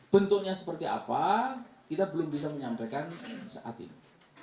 bentuknya seperti apa kita belum bisa menyampaikan saat ini